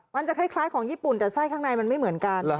มันจะคล้ายของญี่ปุ่นแต่ไส้ข้างในมันไม่เหมือนกัน